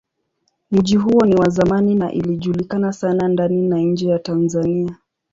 Mji huo ni wa zamani na ilijulikana sana ndani na nje ya Tanzania.